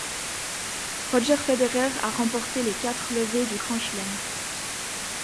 Roger Federer a remporté les quatre levées du Grand Chelem.